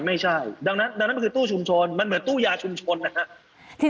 ไม่ใช่ดังนั้นดังนั้นมันคือตู้ชุมชนมันเหมือนตู้ยาชุมชนนะครับ